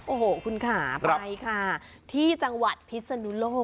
โอ้โหคุณค่ะไปค่ะที่จังหวัดพิศนุโลก